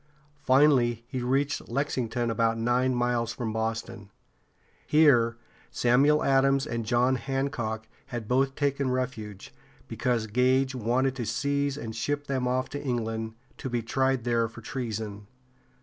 Finally he reached Lex´ing ton, about nine miles from Boston. Here Samuel Adams and John Hancock had both taken refuge, because Gage wanted to seize and ship them off to England, to be tried there for treason.